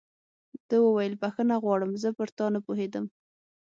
ده وویل: بخښنه غواړم، زه پر تا نه پوهېدم.